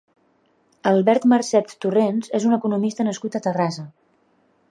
Albert Marcet Torrens és un economista nascut a Terrassa.